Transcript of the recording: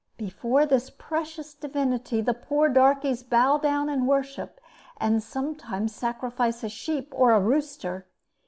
Before this precious divinity the poor darkeys bow down and worship, and sometimes, sacrifice a sheep or a rooster.